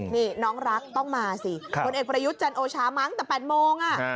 นี่น้องรักต้องมาสิผลเอกประยุทธ์จันโอชามั้งแต่๘โมง